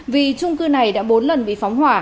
vì trung cư này đã bốn lần bị phóng hỏa